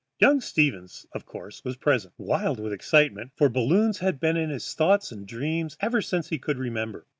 Young Stevens, of course, was present, wild with excitement, for balloons had been in his thoughts and dreams ever since he could remember.